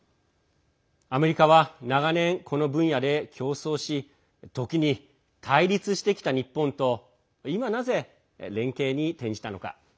アメリカは長年この分野で競争し時に対立してきた日本と今なぜ、連携に転じたのか。